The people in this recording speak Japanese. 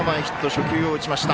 初球を打ちました。